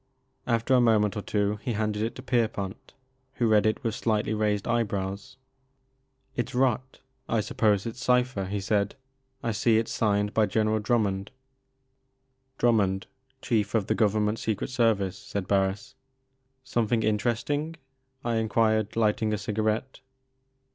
After a moment or two he handed it to Pierpont who read it with slightly raised eyebrows. "It's rot, — I suppose it's cipher," he said; " I see it 's signed by General Drummond "" Drummond, Chief of the Government Secret Service," said Barris. " Something interesting ?" I enquired, lighting a cigarette.